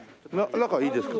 中いいですか？